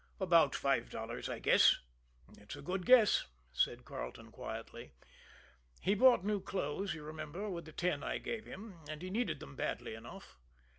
"About five dollars, I guess." "It's a good guess," said Carleton quietly. "He bought new clothes you remember with the ten I gave him and he needed them badly enough."